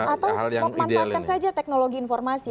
atau memanfaatkan saja teknologi informasi